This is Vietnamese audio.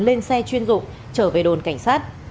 lên xe chuyên dụng trở về đồn cảnh sát